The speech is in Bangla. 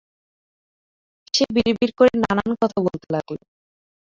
সে বিড়বিড় করে নানান কথা বলতে লাগল।